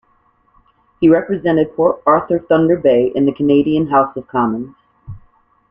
He represented Port Arthur-Thunder Bay in the Canadian House of Commons.